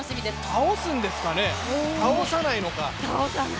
倒すんですかね倒さないのか。